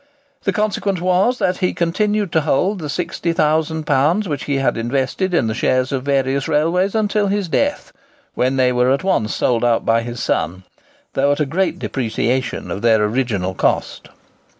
The consequence was, that he continued to hold the £60,000 which he had invested in the shares of various railways until his death, when they were at once sold out by his son, though at a great depreciation on their original cost.